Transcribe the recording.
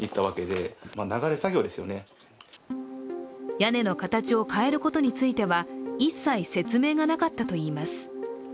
屋根の形を変えることについては一切説明がなかったといいます。